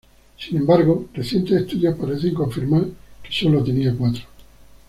Sin embargo, recientes estudios parece confirmar que solo tenía cuatro.